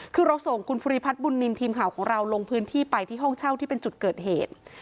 คือเราส่งคุณภูริพัฒน์บุญนินทีมข่าวของเราลงพื้นที่ไปที่ห้องเช่าที่เป็นจุดเกิดเหตุ